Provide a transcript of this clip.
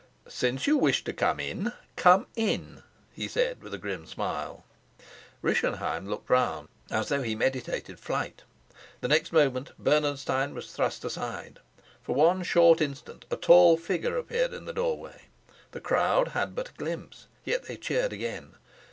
"Since you wish to come in, come in," he said with a grim smile. Rischenheim looked round, as though he meditated flight. The next moment Bernenstein was thrust aside. For one short instant a tall figure appeared in the doorway; the crowd had but a glimpse, yet they cheered again.